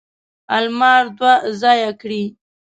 المار دوه ځایه کړي.